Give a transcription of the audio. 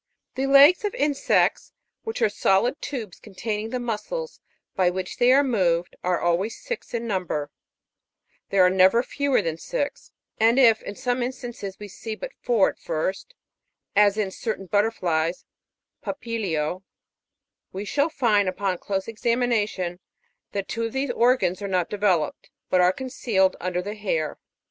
24. The legs of insects, which are solid tubes containing the muscles by which they are moved, are always six in number ; there are never fewer than six, and if in some instances we see but four at first (as in certain butterflies, Papilio), we shall find on close examination that two of these organs are not developed, but are concealed under the hair.